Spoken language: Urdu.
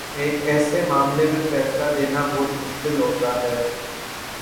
ایک ایسے معاملے میں فیصلہ دینا بہت مشکل ہوتا ہے۔